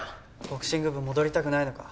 ボクシング部戻りたくないのか？